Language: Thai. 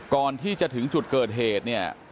ก่อนที่จะถึงจุดเกิดเหตุเนี่ย